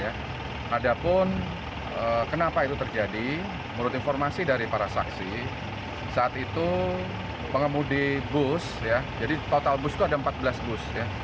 ada pun kenapa itu terjadi menurut informasi dari para saksi saat itu pengemudi bus ya jadi total bus itu ada empat belas bus